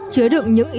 chứa được chữ này